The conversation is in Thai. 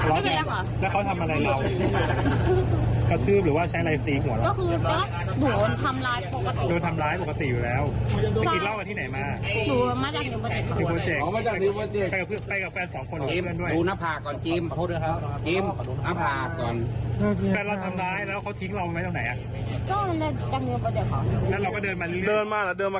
โอ้โหคุณครีม